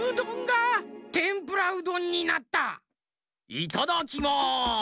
いただきます！